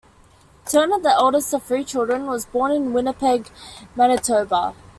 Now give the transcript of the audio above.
Turner, the eldest of three children, was born in Winnipeg, Manitoba.